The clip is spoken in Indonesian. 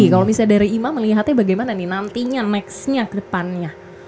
kalau misalnya dari ima melihatnya bagaimana nih nantinya next nya ke depannya